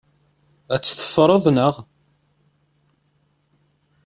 Ad tt-teffreḍ, naɣ?